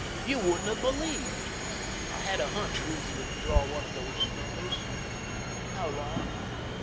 You wouldn't have believed. I had a hunch Ruth would draw one of those numbers.... _How long?